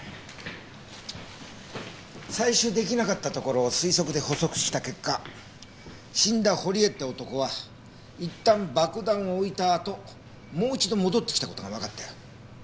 採取出来なかったところを推測で補足した結果死んだ堀江って男はいったん爆弾を置いたあともう一度戻ってきた事がわかったよ。